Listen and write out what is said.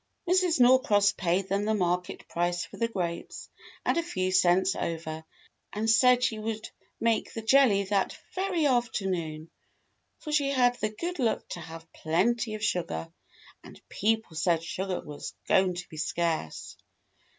Mrs. Norcross paid them the market price for the grapes, and a few cents over, and said she would make the jelly that very afternoon, for she had the good luck to have plenty of sugar and people said sugar was going to be scarce.